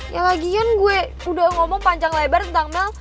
ya lagian gue udah ngomong panjang lebar tentang mel